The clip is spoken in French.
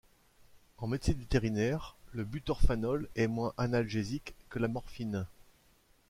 En médecine vétérinaire, le butorphanol est moins analgésique que la morphine.